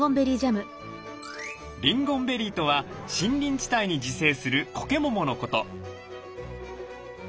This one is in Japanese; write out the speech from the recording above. リンゴンベリーとは森林地帯に自生するコケモモのこと。